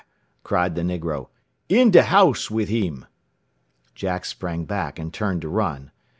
cried the negro. "In de house with him!" Jack sprang back, and turned to run.